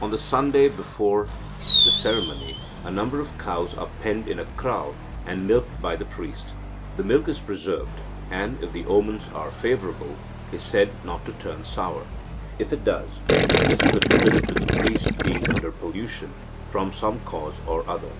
On the Sunday before the ceremony, a number of cows are penned in a kraal, and milked by the priest. The milk is preserved, and, if the omens are favourable, is said not to turn sour. If it does, this is attributed to the priest being under pollution from some cause or other.